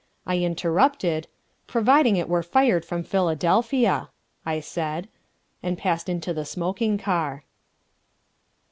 I interrupted "Provided it were fired from Philadelphia," I said, and passed into the smoking car.